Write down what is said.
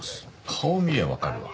顔見りゃわかるわ。